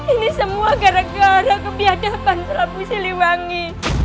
ini semua gara gara kebiadaban terapus seliwangi